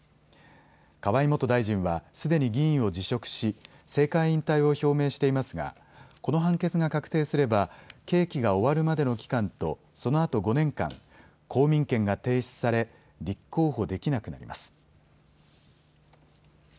河井元大臣はすでに議員を辞職し政界引退を表明していますがこの判決が確定すれば刑期が終わるまでの期間とそのあと５年間、公民権が停止され立候補できなくなります。